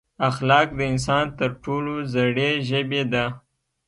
اخلاق د انسان تر ټولو زړې ژبې ده.